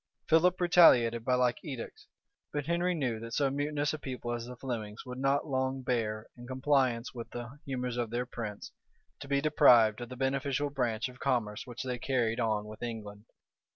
Philip retaliated by like edicts; but Henry knew, that so mutinous a people as the Flemings would not long bear, in compliance with the humors of their prince, to be deprived of the beneficial branch of commerce which they carried on with England.